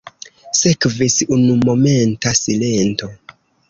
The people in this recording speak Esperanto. Sekvis unumomenta silento.